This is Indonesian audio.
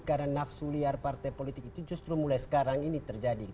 karena nafsu liar partai politik itu justru mulai sekarang ini terjadi